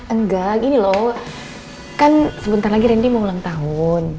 enggak gini loh kan sebentar lagi randy mau ulang tahun